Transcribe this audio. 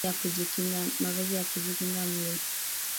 mavazi ya kujikinga mwili